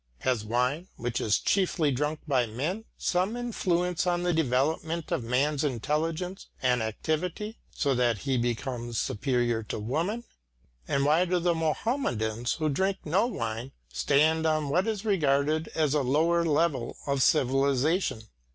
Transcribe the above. Has wine, which is chiefly drunk by men, some influence on the development of man's intelligence and activity, so that he becomes superior to woman? And why do the Muhammadans who drink no wine stand on what is regarded as a lower level of civilisation?